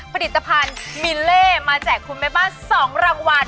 ผลิตภัณฑ์มิลเล่มาแจกคุณแม่บ้าน๒รางวัล